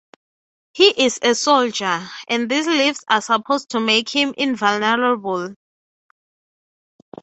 He is a soldier, and these leaves are supposed to make him invulnerable.